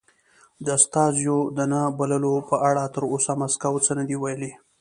د استازیو د نه بللو په اړه تر اوسه مسکو څه نه دې ویلي.